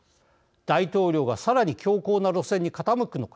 大統領がさらに強硬な路線に傾くのか。